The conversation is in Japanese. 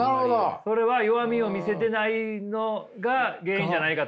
それは弱みを見せてないのが原因じゃないかと。